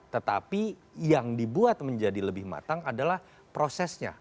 tetapi yang dibuat menjadi lebih matang adalah prosesnya